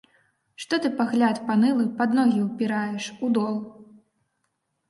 Што ты пагляд панылы пад ногі ўпіраеш, у дол?